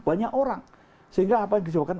banyak orang sehingga apa yang disebabkan